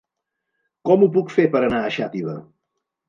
Com ho puc fer per anar a Xàtiva?